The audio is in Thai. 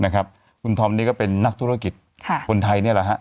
คุณธอมนี่ก็เป็นนักธุรกิจคนไทย